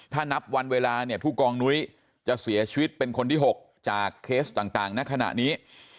ถ้านับวันเวลาเนี่ยผู้กองนุ้ยจะเสียชีวิตเป็นคนที่๖จากเคสต่างณขณะนี้